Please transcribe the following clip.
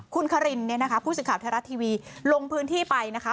คุณคารินเนี่ยนะคะผู้สื่อข่าวไทยรัฐทีวีลงพื้นที่ไปนะคะ